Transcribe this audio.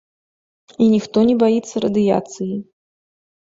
І ніхто не баіцца радыяцыі.